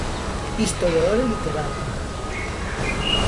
Historiador e literato.